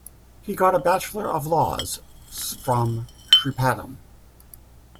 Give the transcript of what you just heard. He got a Bachelor of Laws from Sri Patum.